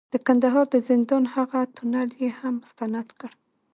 د کندهار د زندان هغه تونل یې هم مستند کړ،